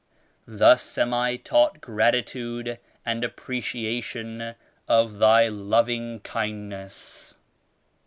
Thus am I taught gratitude and appreciation of thy lov ing kindness.'